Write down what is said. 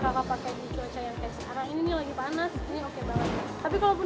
tapi kalau nanti cuacanya kayak gerimis nih tiba tiba gitu dia nggak perlu langsung kakak pakai gas hujan